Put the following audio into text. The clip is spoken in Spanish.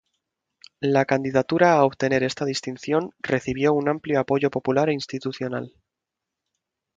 La candidatura a obtener esta distinción, recibió un amplio apoyo popular e institucional.